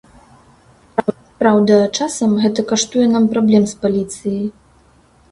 Праўда, часам гэта каштуе нам праблем з паліцыяй.